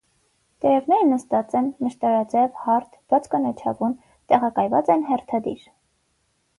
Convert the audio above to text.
Տերևները նստած են, նշտարաձև, հարթ, բաց կանաչավուն, տեղակայված են հերթադիր։